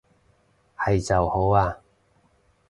係就好啊